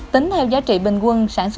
tính theo giá trị bình quân